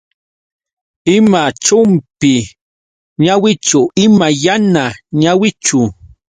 Ima chumpi ñawichu, ima yana ñawichu.